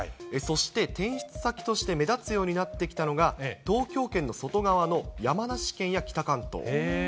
そして、転出先として目立つようになってきたのが、東京圏の外側の山梨県や北関東。